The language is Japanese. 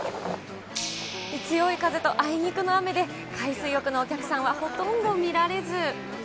強い風とあいにくの雨で、海水浴のお客さんはほとんど見られず。